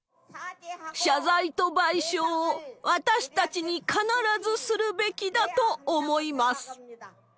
謝罪と賠償を私たちに必ずするべきだと思います。